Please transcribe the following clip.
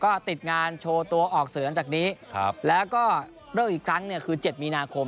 ก็ติดงานโชว์ตัวออกเสือหลังจากนี้แล้วก็เลิกอีกครั้งเนี่ยคือ๗มีนาคม